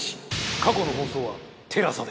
過去の放送はＴＥＬＡＳＡで。